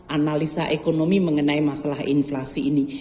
analisa ekonomi mengenai masalah inflasi ini